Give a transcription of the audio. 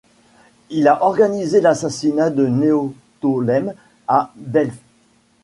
Il a organisé l'assassinat de Néoptolème à Delphes.